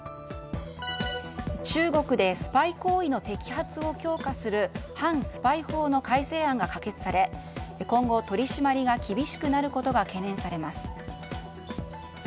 中国でスパイ行為の摘発を強化する反スパイ法の改正案が可決され今後、取り締まりが厳しくなることが懸念されます。